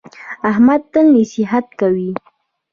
احمد تل نصیحت کوي.